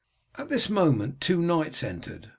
At this moment two knights entered.